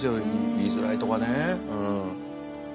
言いづらいとかね。